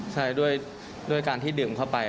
ใช่ด้วยการที่ดื่มเข้าไป